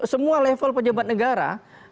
semua level pejabat negara